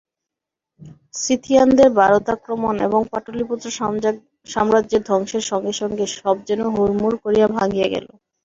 সীথিয়ানদের ভারতাক্রমণ এবং পাটলিপুত্র-সাম্রাজ্যের ধ্বংসের সঙ্গে সঙ্গে সব যেন হুড়মুড় করিয়া ভাঙিয়া গেল।